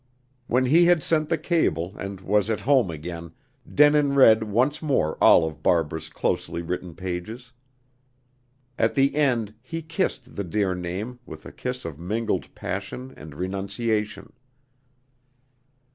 When he had sent the cable, and was at home again, Denin read once more all of Barbara's closely written pages. At the end he kissed the dear name with a kiss of mingled passion and renunciation.